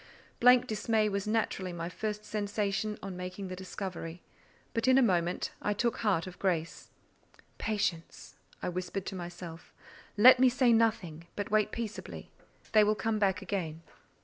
Blank dismay was naturally my first sensation on making the discovery; but in a moment I took heart of grace. "Patience!" whispered I to myself. "Let me say nothing, but wait peaceably; they will come back again."